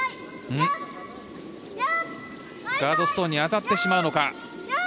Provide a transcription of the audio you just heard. ガードストーンに当たってしまうのか。